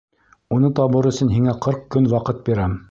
Уны табыр өсөн һиңә ҡырҡ көн ваҡыт бирәм.